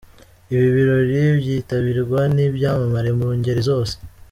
Ibi birori byitabirwa n'ibyamamare mu ngeri zose.